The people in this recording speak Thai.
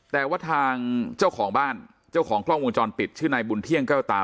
แต่ว่าทางเจ้าของบ้านเจ้าของกล้องวงจรปิดชื่อนายบุญเที่ยงแก้วตา